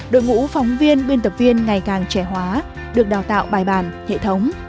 đội ngũ phóng viên biên tập viên ngày càng trẻ hóa được đào tạo bài bản hệ thống